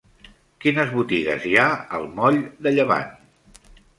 Quines botigues hi ha al moll de Llevant?